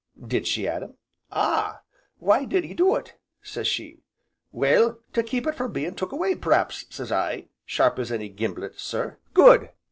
"Did she, Adam?" "Ah! 'why did 'e do it?' says she 'well, to keep it from bein' took away, p'raps,' says I sharp as any gimblet, sir." "Good!"